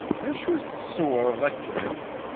D acu tṣewwreḍ akken?